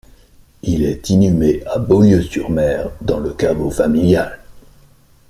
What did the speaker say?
Il est inhumé à Beaulieu-sur-mer dans le caveau familial.